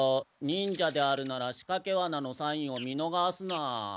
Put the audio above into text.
忍者であるならしかけワナのサインを見のがすな。